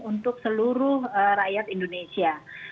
untuk seluruh rakyat indonesia